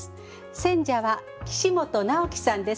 選者は岸本尚毅さんです。